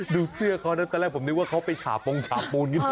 ดูเสื้อเค้านั้นตอนแรกผมนึกว่าเค้าไปฉาปรงฉาปูนกันทีแหละ